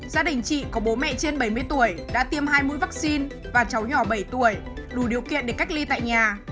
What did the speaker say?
gia đình chị có bố mẹ trên bảy mươi tuổi đã tiêm hai mũi vaccine và cháu nhỏ bảy tuổi đủ điều kiện để cách ly tại nhà